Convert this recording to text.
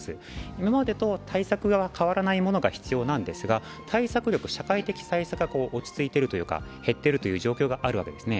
今までと対策が変わらないものが必要なんですが、対策力、社会的対策は落ち着いているというか減っているという状況はあるんですね。